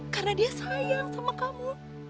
karena dia sayang sama kamu